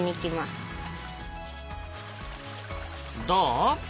どう？